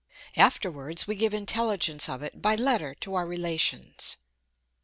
Afterwards, we give intelligence of it by letter to our relations.